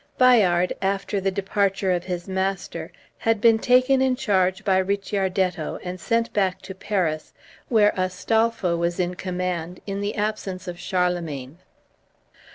Bayard, after the departure of his master, had been taken in charge by Ricciardetto, and sent back to Paris, where Astolpho was in command, in the absence of Charlemagne.